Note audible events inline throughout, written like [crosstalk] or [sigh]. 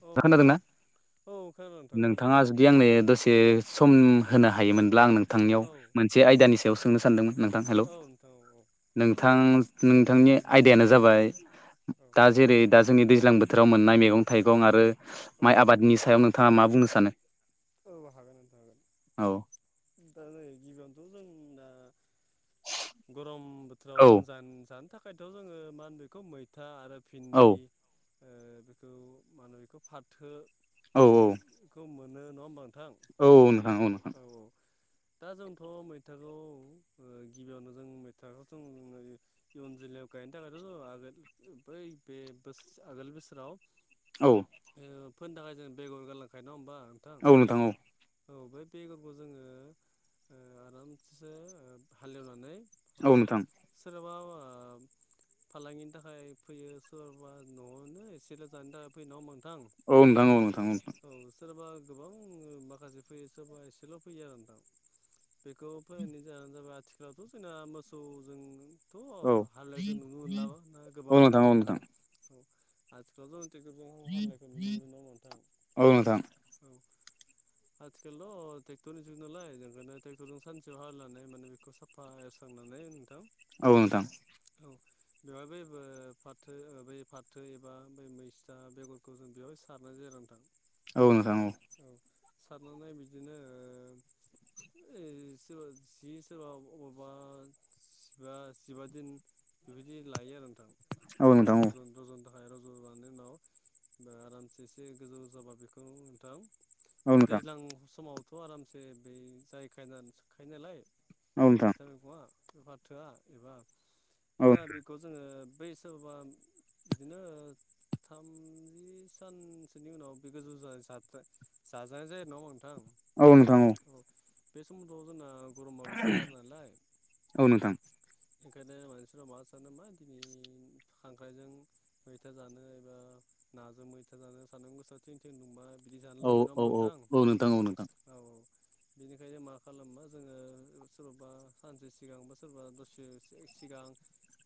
औ नोंथां खोनादोंना औ खोनादों नोंथां खोनादों नोंथाङा जु दि आंनो दसे सम होनो हायोमोनब्ला आं नोंथांनियाव औ मोनसे आयदानि सायाव सोंनो सानदोंमोन नोंथां हेल' औ नोंथां औ औ हागोन नोंथां नोंथांनि आयदायानो जाबाय औ दा जेरै दा जोंनि दैज्लां बोथोराव मोननाय मैगं थाइगं आरो औ माइ आबादनि सायाव नोंथाङा मा बुंनो सानो औ हागोन नोंथां हागोन औ दा नै गिबियावनोथ' जों दा गरम बो थोराव औ जों जान जानो थाखायथ' जोङो मा होनो बेखौ मैथा आरो औ भिन्दि ओ बेखौ मा होनो बेखौ औ फाथोखौ मोनो नङा होमबा नोंथां औ औ दा जोंथ' मैथाखौ गिबियावनो जों मैथाखौ जों [unintelligible] इयुन जोलैया गायनो थाखायथ' आगोल बै बे आगोल बोसोराव औ ओ फोनो थाखाय जों बेगर गारलांखायो नङा होमबा नोंथां औ औ औ बै बेगरखौ जोङो ओ आरामसे हालेवनानै औ नोंथां सोरहाबा [unintelligible] फालांगिनि थाखाय फैयो सोरबा न'आवनो एसेल' जानो थाखाय फैयो नङा होमबा नोंथां औ नोंथां औ नोंथां औ नोंथां औ सोरबा गोबां माखासे फैयो सोरबा एसेल' फैयो आरो नोंथां बेखौ फोनायनि जाहानो जाबाय आथिखालावथ' जोंना मोसौजों थ' औ हालेवनाय जों नुनो मोनलाबा ना गोबाङानो नोंथां औ आथिखालावथ' टेक्टरजोंं हालौवनायखौ नुनो मोनो नङा होमबा नोंथां औ नोंथां औ आथिखालावथ' ट्रेक्टरनि जुग नालाय जों ट्रेक्टर जों सानसेयावनो हालेवनानै माने बे खौ साफा एवस्रांनानै नोंथां औ नोंथां औ बेवहाय बै फाथो बै फाथो एबा बै मैसथा बेगर खौ जों बेवहाय सारनाय जायो नोंथां औ नोंथां औ औ सारनानै बिदिनो ओ ओ जि सोरबा अबबा जिबा दिन बेबायदि लायो आरो नोंथां औ नोंथां औ नोंथां औ रजनो रज'नो थाखाय रज'नायनि उनाव आरामसे एसे गोजौ जाबा बेखौ नोंथां औ बे दैज्लां समावथ' आरामसे बे जायखायो जाखायो नालाय नोंथां मैसथा मैगङा फाथोआ एबा औ मा होनो बेखौ जोङो बै सोरबा बिदिनो थामजि सानसोनि उनाव बे गोजौ जायो जात [unintelligible] जा जाजानाय जायो नङा होमबा नोंथां औ नोंथां औ औ बे समाथ' जोंना गरमा एसे बारा नालाय औ नोंथां बेखायनो मानसिफ्रा मा सानो मा दिनै खांख्राइजों मैथा जानो एबा नाजों मैथा जानो मोसा [unintelligible] थिं थिं दुंबा बिदि जानो औ लुबैयो नङा औ होमबा औ नोंथां नोंथां औ नोंथां औ-औ बिनिखायनो मा खालामो जोङो सोरबाबा सानसे सिगां बा सोरबा दसे सिगां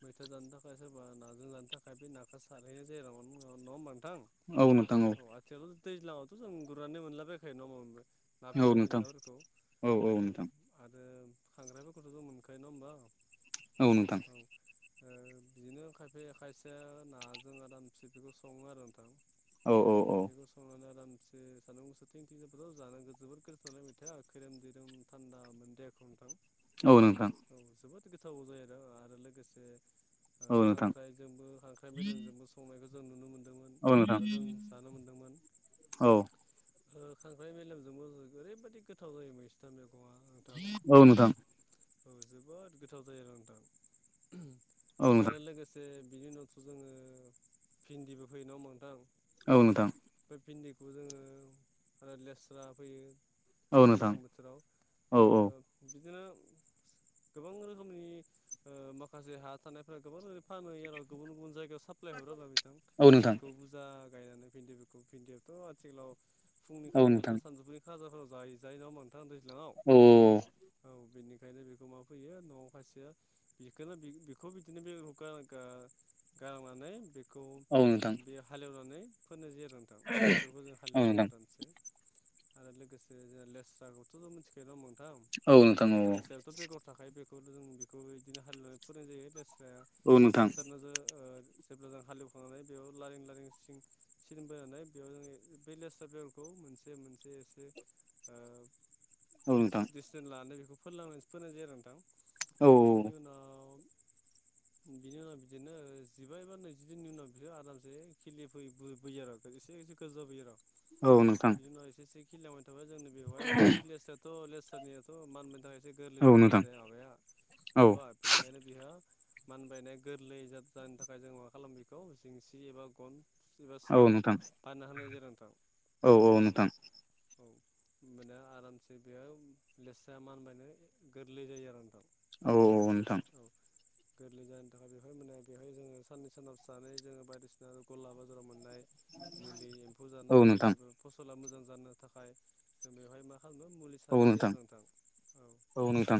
मैथा जानो थाखाय सोरबा नाजों जानो थाखाय बे नाखौ सारहैनाय जायो नङा होनबा नोंथां औ नोंथां औ औ आथिखालथ' दैज्लाङावथ' जों गुरनानै मोनलाबायखायो नं हमबा ना औ फिसा नोंथां फिनलाफोरखौ औ आरो खांग्रायफोरखौथ'जों मोनखायो ना होनबा औ नोंथां औ बिदिनो खायफाया खायसे नाजों आरामसे बेखौ सङो आरो नोंथां औ-औ-औ बेखौ संनानै आरामसे एसे सानदुं गोसा थिंथिं जाबाथाय जानांगौ जोबोद गोथावनालाय मैथाया खैरोम दैैरोम थान्दा मोनो देहाखौ नोंथां औ नोंथां औ जोबोद गोथाव जायो आरो आरो लोगोसे औ नोंथां खांख्राइजोंबो खांख्राइ मेलेमजोंबो संनायखौ जों नुनो मोन्दोंमोन औ नोंथां आरो जों जानो मोनदोंमोन औ खांख्राइ मेलेमजोंबो ओरैबादि गोथाव जायो मैसथा मैगं आ औ नोंथां औ जोबोद गोथाव जायो आरो नोंथां औ आरो नोंथां लोगोसे जे बिनि उनावथ' जोङो भिन्दिबो फैयो नङा होमबा नोंथां औ नोंथां बे भिन्दिखौ जोङो आरो लेस्रा फैयो औ नोंथां दैज्लां बोथोराव औ ओ औ बिदिनो गोबां रोखोमनि माखासे हा थानायफोरा गोबां रोनि फानो आरो गुबुन गुबुन जायगायाव सा सप्लायहराब्ला बिथां औ नोंथां बेखौ बुरजा गायनानै भिन्दिफोरखौ भिन्दियाथ' आथिखालाव फुंनि औ खाजा एबा नोंथां सानजौफुनि खाजाफोराव जा जायो नङा होमबा नोंथां दैज्लाङाव औ औ बेनि ओंखायनो बेखौ मा फैयो न'आव खायसे बेखौनो बेखौ बिदिनो बे गारांनानै खौ औ नोंथां बे हाले एवनानै फोनाय जायो आरो नोंथां टेक्टरबो जों हाले औ एवनानै नोंथां आरामसे आरो लोगोसे जों लेस्राखौथ' ज मोनथि नोंथां औ नोंथां औ बेसे थ' बेगर थाखायो बेखौ जों बेखौ बिदिनो हाल एवनाय फोरों जायो लेस्राया औ औ नोंथां सारनो जो ओ जेब्ला जों हालेवखांनानै बेयाव लारिें लारिं सिं सिन बोनानै बेयाव जोङो लेस्रा बेगरखौ मोनसे मोनसे एसे उम नोंथां डिसटेन्स लानानै बेखौ फोरलांनानैसो फोरनाय जायो आरो नोंथां बेनि उनाव बिनि उनाव बिदिनो जिबा एा नैजिदननि उनाव बिसोर आरामसे खिलि फैयो बैयो आरो [unintelligible] जाबाय आरो औ नोंथां जोंनाव एसे एसे खिलिलांबाय थाबाय जोंनि बेवहाय बै लेस्रायाथ' लेस्रानिया' मानबायनो थाखाय गोरलै औ नङा होमबा नोंथां रोदाया माबाया औ बिजौआ ओंखायनो बेहा मानबायनाया गोरलै जनि थाखाय जों मा खालामो बेखौ जिंसि एबा गन एबा सां बानायना होनाय जायो आरो नोंथां औ-औ औ नोंथां औ होनबानिया आरामसे बेयाव लेस्राया मानबायनो गोरलै जायो आरो नोंथां औ औ नोंथां औ गोरलै जानायानो थाखाय बेवहाय मोने बेवहाय जोङो साननै सानथामसो थानानै जोङो बायदिसिना गला बाजाराव मोननाय मुलि एम्फौ जानो औ नोंथां औ हायि नोंथां एबा फसला मोजां जानो थाखाय बेवहाय मा खालामो मुलि औ सारनाय जायो नोंथां औ नोंथां नोंथां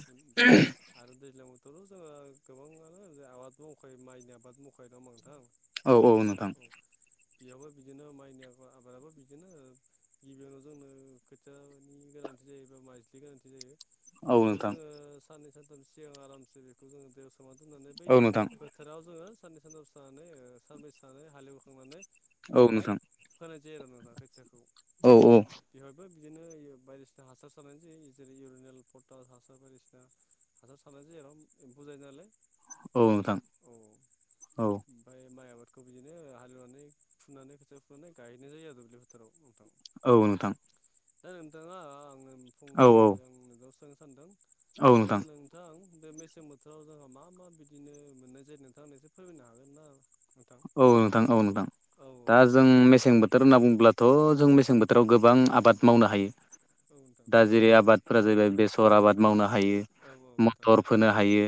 आरो दैज्लां बोथोरावथ' जोङो गोबाङानो आबाद मावखायो माइनि आबाद मावखायो नङा होमबा नोंथां औ औ नोंथां औ बेयावबो बिदिनो माइनि आ आबादाबो बिदिनो गिबियावनो जोंनो खोथियानि गोनांथि जायोबा माइ ज्लि गोनांथि जायो बेखौ औ नोंथां जोङो साननै सानथाम सिगां आरामसे बेखौ जोङो दैेयाव सोमना दोननानै बै औ नोंथां फो थाराव जोङो साननै सानथाम थानानै सानब्रैसो थानानै हालेवखांनानै औ बेवहाय नोंथां फोनाय जायो आरो नोंथां खोथियाखौ औ बेवहायबो बिदिनो बायदिसिना हासार सारनाय जायो जेरै इउरिनेल पटास हासार बायदिसिना हासार सारनाय जायो आरो एम्फौ जायो नालाय औ नोंथां औ औ ओमफ्राय माइ आबादखौ बिदिनो हालेवनानै फुनानै खोथिया फुनानै गायनाय जायो आरो दुब्लि फोथाराव नोंथां औ नोंथां दे नोंथाङा आङो औ फंनैसो औ आं नोंनियाव सोंनो सानदों औ जे नोंथां नों थां बे मेसें बोथोराव जोंहा मा मा बिदिनो मोननाय जायो नोंथां एसे फोरमायनो हागोन ना नोंथां औ नोंथां औ नोंथां दा जों मेसें बो थोर होनना बुङोब्लाथ' जों मेसें बोथोराव गोबां आबाद मावनो हायो नोंथां औ नोंथां दा जेरै आबाद फोरा जाहैबाय बेसर आबाद मावनो हायो औ नोंथां मटर फोनो हायो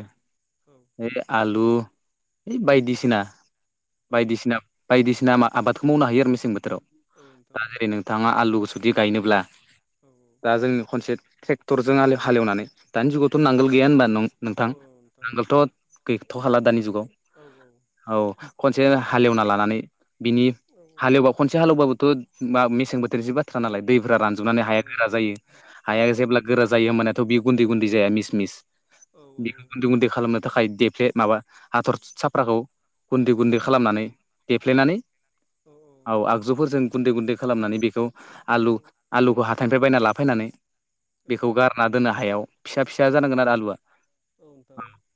औ हे आलु हे बायदिसिना औ नोंथां बायदिसिना बायदिसिना आबादखौ मावनो हायो आरो मेसें बोथोराव औ नोंथां औ नोंथां औ नोंथां दा जेरै नों थाङा आलुखौ जुदि गायनोब्ला औ औ दा जों खनसे ट्रेक्टरजों हालेवनानै दानि जुगावथ' नांगोल गैया होनबा नोंथां नांगोलथ' गैथ' खाला दानि जुगाव औ औ औ खनसे हालेवना लानानै बिनि हालेव बा खनसे हालौबाबोथ' मा मेसें बोथोर जोबबा था नालाय दैफ्रा रानजोबनानै हाया गोरा जायो हाया जेब्ला गोरा जायो होमबानिया थ' बियो गुन्दै गुन्दै जाया मिस मिस नोंथां औ बेखौ गुन्दै गुन्दै खालामनो थाखाय देफ्ले माबा हाथर साफ्राखौ गुन्दै गुन्दै खालामनानै देफ्लेनानै औ आगजुफोरजों गुन्दै गुन्दै खालामनानै बेखौ आ आलुखौ हाथाइनिफ्राय बायना लाफैनानै बेखौ गार दोनो हायाव फिसा फिसा जानांगोन आरो आलुआ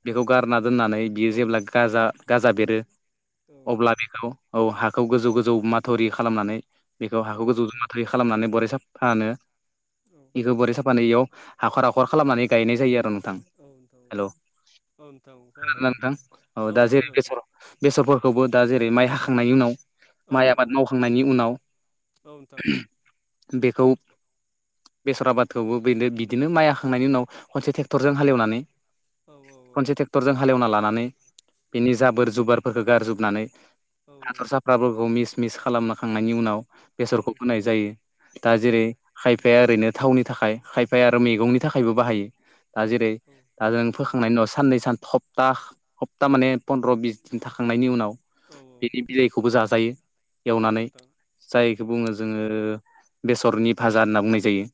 बेखौ गारना दोननानै बियो जेब्ला गाजा गाजा बेरो अब्ला बेखौ औ हाखौ गोजौ गोजौ माथावरि खालामनानै बेखौ हाखौ गोजौ मा थावरि खालामनानै बरिया साफ्फानो औ बेखौ बरिया साफानो इयाव हाखर हाखर खालामनानै गायनाय जायो आरो नोंथां हेल' नोंथां खोनादों खोनादोना नोंथां औ दा जेरै खोनादों नोंथां बेसर बेसरफोरखौबो दा जेरै माइ हाखांनायनि उनाव औ माइ आबाद मावखांनायनि उनाव औ नोंथां बेखौ बेसरा आबादखौबो बेनो बिदिनो माइ हाखांनायनि उनाव खनसे औ ट्रेक्टरजों हालेवनानै औ खनसे ट्रे क्टरजों हाले एवना लानानै बिनि औ जाबोर जुबारफोरखौ गारजोबनानै औ हाथर साफ फ्राफोरखौ मिस मिस खालामखांनायनि उनाव बेसरखौ नोंथां होनाय जायो दा औ जेरै खायफ खायफाया ओरैनो थावनि थाखाय खायफाया आरो मैगंनि थाखायबो बाहायो दा जेरै औ दा जों औ नोंथां फोखांनायनि उनाव साननै सान सप्ता सप्ता माने फन्द्र' बिस दिन थाखांनायनि उनाव औ-औ बिलायखौबो जाजायो एवनानै जायखौ बुङो जोङो बेसरनि भाजा होनना बुंनाय जायो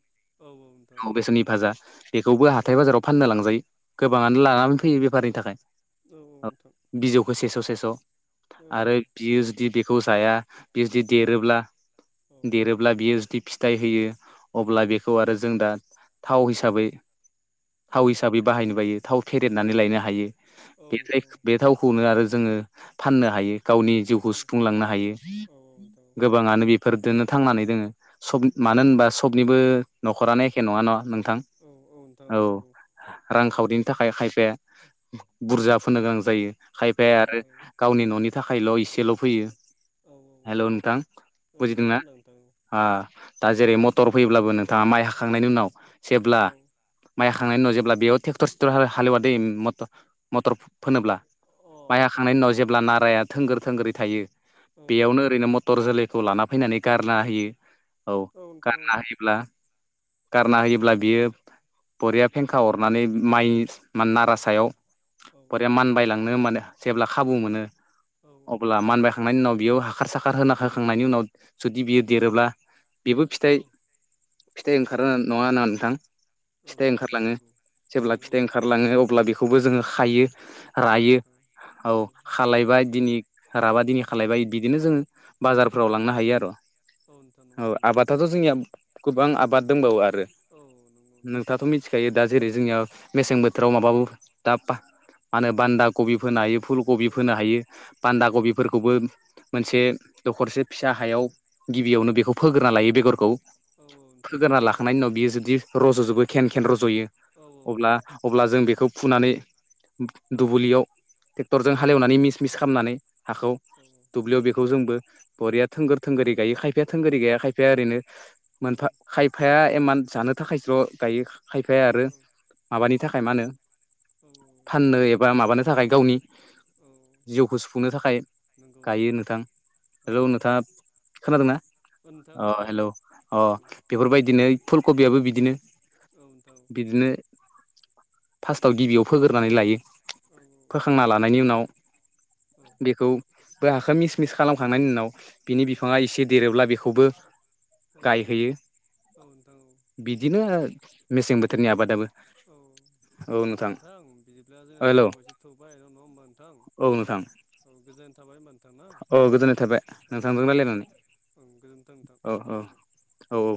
औ-औ नोंथां औ बेसरनि भाजा बेखौबो औ हाथाय बाजाराव फाननो लांजायो गोबाङानो लानानै फैयो बेफारनि थाखाय औ-औ नोंथां बिजौखौ सेस' सेस' औ आरो बियो जुदि बेखौ जाया बि जुदि औ देरोब्ला औ देरोब्ला अब्ला बियो जुदि फिथाइ होयो अब्ला बेखौ आरो जों दा थाव हिसाबै थाव औ हिसाबै बाहायनो बायो थाव फेरेदनानै लायनो हायो औ बे नोंथां बे थावखौ नो आरो जोङो फाननो हायो गावनि औ नोंथां औ जिउखौ सुफुंलांनो हायो औ नोंथां औ गोबाङानो बेफोरजोंनो थांनानै दोङो मानो होनबा स निबो न'खरानो एखे नङा न नोंथां औ-औ नोंथां औ नंगौ रांखावरिनि थाखाय खायफाया बुरजा फोनो गोनां जायो औ खायफाया आरो गावनि न'नि थाखायल' इसेल' फैयो हेल' नोंथां नोंथां बुजिदोंना औ दा जेरै मटर फैयोब्लाबो नोंथाङा माइ हाखांनायनि उनाव जेब्ला औ नोंथां खोनादों नोंथां औ अ नोंथां औ माइ हाखांनायनि उनाव जेब्ला बेयाव ट्रेक्टर सेक्टर हालेवा दै मटर फोनोब्ला औ माइ नोंथां हाखांनायनि उनाव जेब्ला नाराया थोंगोर थोंगोरै औ थायो बेयावनो ओरैनो बेगर जोलैखौ लाना फैनानै गारना होयो औ गारना होयोब्ला गारना होयोब्ला बियो बरिया फेंखा हरनानै माइ नारा सायाव बुरिया मानबायलांनो माने जेब्ला खाबु मोनो औ औ अब्ला मानबाय खांनायनि उनाव बेयाव हाखार साखार होना होखांनायनि उनाव जुदि बियो देरोब्ला बेबो फिथाइ औ औ फिथाइ नोंथां औ ओंखारनो नङा ना नोंथां फिथाइ नोंथां ओंखारलाङो नंगौ जेब्ला नंगौ फिथाइ ओंखारलाङो अब्ला बेखौबो जोङो खायो रायो नोंथां औ खालायबाय नंगौ दिनै राबा दिनै खालायबाय बिदिनो जोङो बाजारफोराव लांनो हायो आरो नोंथां नंगौ नोंथां औ नंगौ नोंथां आबादाथ' जोंनिया गोबां आबाद दंबावो आरो औ नंगौ नोंथाथ' मि मिथिखायो दा जेरै जोंनिया मेसें बोथोराव माबाबो दा मा होनो बान्दा कबि फोनो हायो फुल कबि फोनो नोंथां हायो औ बान्दा कबिफोरखौबो मोनसे दखरसे फिसा हायाव गिबियावनो बेखौ फोग्रोना लायो बेगरखौ औ औ नोंथां फोगोरना लाखांनायनायनि उनाव बियो जुदि रज'जोबो खेन खेन रज'यो औ नोंथां औ नोंथां औ अब्ला अब्ला जों बेखौ फुनानै दुब्लियाव टेकटरजों हालेवनानै मिस मिस खालामनानै हाखौ औ नोंथां औ नंगौ दुब्लियाव नोंथां बेखौ जोंबो औ बरिया थोंगोर थोंगोरि गायो खायफाया थोंगोरि गैया खायफाया ओरैनो औ मोनफा नोंथां खाय खाफाया एमान जानो थाखायसल' गायो खायफाया आरो माबानि थाखाय मा होनो फाननो एबा माबानो थाखाय गावनि जिउखौ सुफुंनो थाखाय गायो नोंथां आरो' नोंथाङा खोनादोंना अ खोनादों हेलौ अ औ औ बेफोरबायदिनो फुल कबियाबो बिदिनो औ नोंथां बिदिनो फार्स्टआव गिबियाव फोग्रोननानै लायो औ फोखांना लानायनि उनाव औ बेखौ हाखौ मिस मिस खालामखांनायनि उनाव बिनि औ बिफाङा औ औ एसे देरोब्ला बेखौबो गायहैयो औ औ नोंथां औ बिदिनो मेसें बोथोरनि आबादाबो औ नोंथां बिदि ब्ला जोंहा हेलौ समाबायदि थैबाय नङा होमबा नोंथां औ नोंथां औ गोजोननाय थाबाय होमबा नोंथां ना औ गोजोननाय थाबाय औ नोंथांजों रायलायनानै औ गोजोनथों नोंथां औ गोजोनथों औ औ